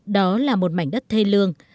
đó là một mảnh đất thê lương